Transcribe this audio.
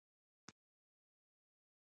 اوس نو نه مې د راز ملګرى درلود.